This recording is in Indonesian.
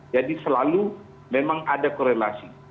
jadi selalu memang ada korelasi